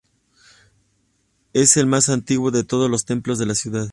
Es el más antiguo de todos los templos de la ciudad.